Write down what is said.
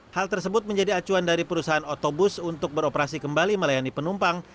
hal tersebut menjadi acuan dari perusahaan otobus untuk beroperasi kembali melayani penumpang